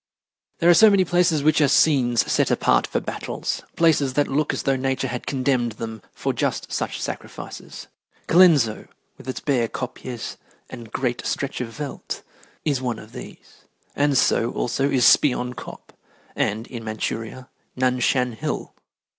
There are so many places which are scenes set apart for battles places that look as though Nature had condemned them for just such sacrifices. Colenso, with its bare kopjes and great stretch of veldt, is one of these, and so, also, is Spion Kop, and, in Manchuria, Nan Shan Hill.